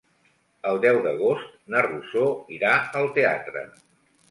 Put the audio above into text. El deu d'agost na Rosó irà al teatre.